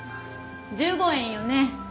１５円よね？